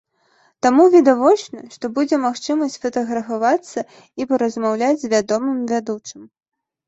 Таму відавочна, што будзе магчымасць сфатаграфавацца і паразмаўляць з вядомым вядучым.